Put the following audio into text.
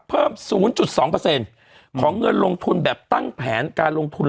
เพิ่มศูนย์จุดสองเปอร์เซ็นต์ของเงินลงทุนแบบตั้งแผนการลงทุน